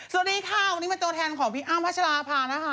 สวัสดีค่ะวันนี้เป็นตัวแทนของพี่อ้ำพัชราภานะคะ